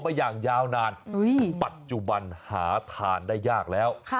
มาอย่างยาวนานปัจจุบันหาทานได้ยากแล้ว